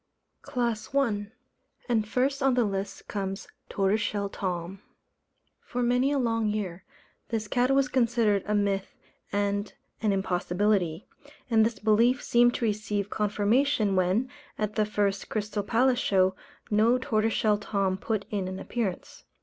CLASS I. And first on the list comes Tortoiseshell Tom. For many a long year, this cat was considered a myth and an impossibility; and this belief seemed to receive confirmation, when, at the first Crystal Palace Show, no Tortoiseshell Tom put in an appearance.